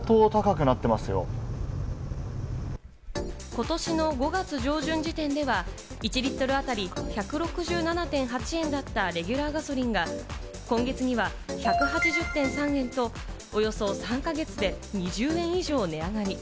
ことしの５月上旬時点では、１リットル当たり１６７．８円だったレギュラーガソリンが今月には１８０．３円と、およそ３か月で２０円以上の値上がり。